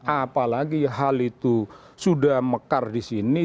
apalagi hal itu sudah mekar di sini